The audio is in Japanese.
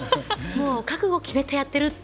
覚悟、決めてやってるって。